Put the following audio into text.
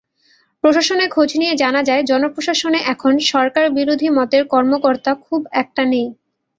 প্রশাসনে খোঁজ নিয়ে জানা যায়, জনপ্রশাসনে এখন সরকারবিরোধী মতের কর্মকর্তা খুব একটা নেই।